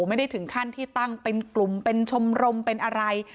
ไม่ได้ถึงขั้นที่ตั้งเป็นกลุ่มเป็นชมรมเป็นอะไร